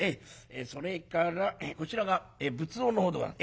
それからこちらが仏像のほうでございます。